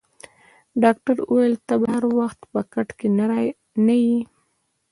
ډاکټر وویل: ته به هر وخت په کټ کې نه یې.